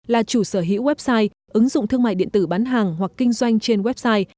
là chủ sở hữu website ứng dụng thương mại điện tử bán hàng hoặc kinh doanh trên website